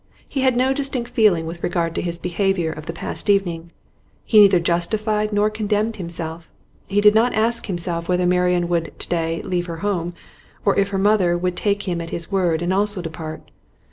He had no distinct feeling with regard to his behaviour of the past evening; he neither justified nor condemned himself; he did not ask himself whether Marian would to day leave her home, or if her mother would take him at his word and also depart.